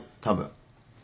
たぶん。